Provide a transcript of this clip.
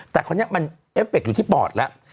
แต่คราวนี้มันเอฟเฟคอยู่ที่ปอดแล้ว